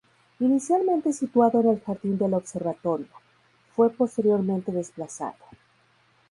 Inicialmente situado en el Jardín del Observatorio, fue posteriormente desplazado.